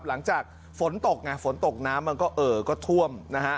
หลังจากฝนตกไงฝนตกน้ำมันก็เอ่อก็ท่วมนะฮะ